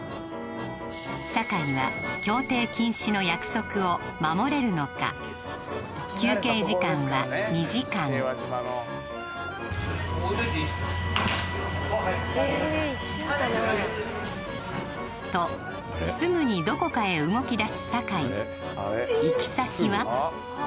酒井は競艇禁止の約束を守れるのか休憩時間は２時間とすぐにどこかへ動きだす酒井行き先は？